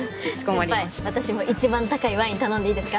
先輩私も一番高いワイン頼んでいいですか？